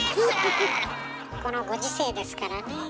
このご時世ですからねえ。